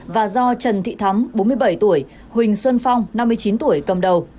và do trần thị thắm bốn mươi bảy tuổi huỳnh xuân phong năm mươi chín tuổi cầm đầu